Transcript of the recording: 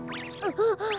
あっ。